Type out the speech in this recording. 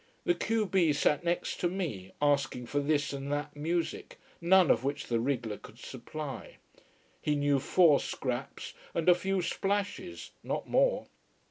The q b sat next to me, asking for this and that music, none of which the wriggler could supply. He knew four scraps, and a few splashes not more.